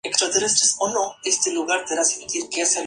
Sus repercusiones son menores que las de la Liga Árabe.